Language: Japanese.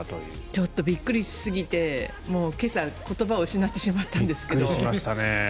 ちょっとびっくりしすぎて今朝、言葉を失ってしまったんですけど。